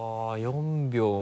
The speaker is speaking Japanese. ４秒。